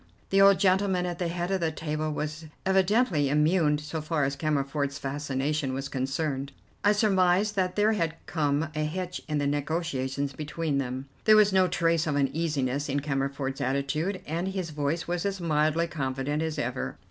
The old gentleman at the head of the table was evidently immune so far as Cammerford's fascination was concerned. I surmised that there had come a hitch in the negotiations between them. There was no trace of uneasiness in Cammerford's attitude, and his voice was as mildly confident as ever.